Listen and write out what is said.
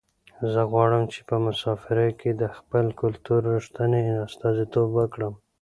زه غواړم چې په مسافرۍ کې د خپل کلتور رښتنې استازیتوب وکړم.